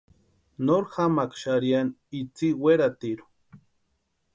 Nori jamaaka xarhiani itsï weratirhu.